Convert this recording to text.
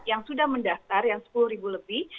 yang sudah mendaftar yang sepuluh ribu lebih